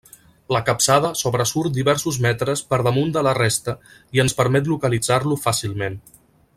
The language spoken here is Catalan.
La capçada sobresurt diversos metres per damunt de la resta i ens permet localitzar-lo fàcilment.